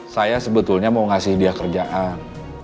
saya sebetulnya mau ngasih dia kerjaan